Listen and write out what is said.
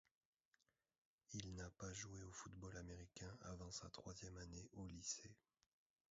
Il n'a pas joué au football américain avant sa troisième année au lycée.